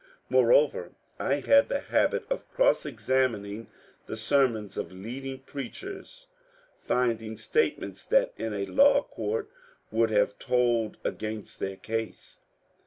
Moreover, I had the habit of cross examining the sermons of leading preachers, finding statements that in a law court would have told against their case.